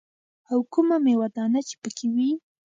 او کومه ميوه دانه چې پکښې وي.